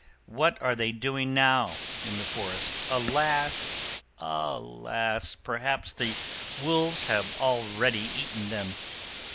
What are they doing now in the forest? Alas! alas! perhaps the wolves have already eaten them!